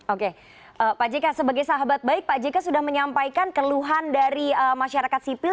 oke pak jk sebagai sahabat baik pak jk sudah menyampaikan keluhan dari masyarakat sipil